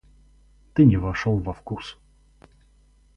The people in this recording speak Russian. Ты не вошел во вкус.